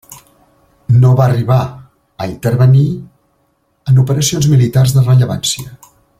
No va arribar a intervenir en operacions militars de rellevància.